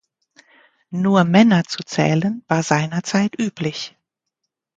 Nur Männer zu zählen war seinerzeit üblich.